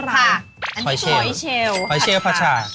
อะนี่ก็หอยเชลล์ฮัชทาร์